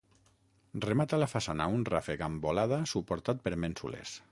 Remata la façana un ràfec amb volada suportat per mènsules.